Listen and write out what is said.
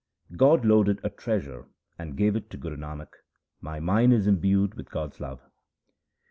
God loaded a treasure, and gave it to Guru Nanak ; my mind is imbued with God's love.